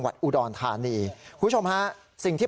พระขู่คนที่เข้าไปคุยกับพระรูปนี้